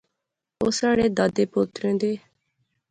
او ساڑھے دادیں پوترے دے